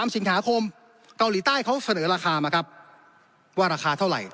สิงหาคมเกาหลีใต้เขาเสนอราคามาครับว่าราคาเท่าไหร่